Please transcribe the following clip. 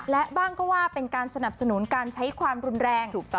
และบ้างก็ว่าเป็นการสนับสนุนการใช้ความรุนแรง